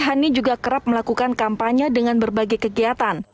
hani juga kerap melakukan kampanye dengan berbagai kegiatan